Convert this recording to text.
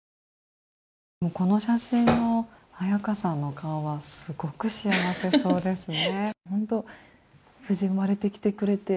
この写真の彩佳さんの顔はすごく幸せそうですね。